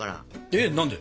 えっ何で？